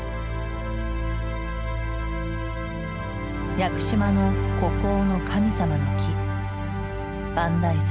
屋久島の孤高の神様の木万代杉。